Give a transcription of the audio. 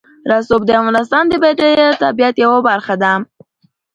رسوب د افغانستان د بډایه طبیعت یوه برخه ده.